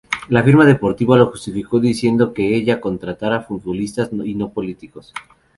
La firma deportiva lo justificó diciendo que ella contrata futbolistas y no políticos.